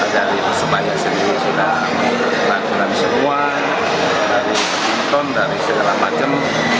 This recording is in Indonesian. dari persebaya sendiri dari pelakonan semua dari timton dari segala macam